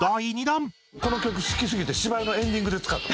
この曲好きすぎて芝居のエンディングで使った。